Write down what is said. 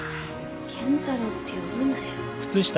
健太郎って呼ぶなよ。